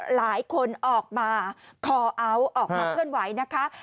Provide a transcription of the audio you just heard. หลายคนออกมาออกมาเคลื่อนไหวนะคะ